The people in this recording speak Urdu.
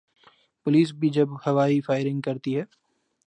پولیس بھی جب ہوائی فائرنگ کرتی ہے۔